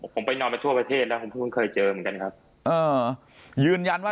ผมไปนอนมาทั่วประเทศแล้วผมเพิ่งเคยเจอเหมือนกันครับ